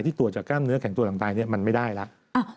ตรวจจากกล้ามเนื้อแข็งตัวหลังตายมันไม่ได้แล้ว